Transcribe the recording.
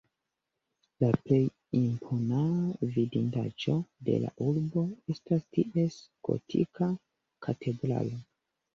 La plej impona vidindaĵo de la urbo estas ties gotika katedralo.